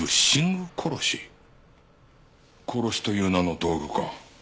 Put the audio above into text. コロシという名の道具か。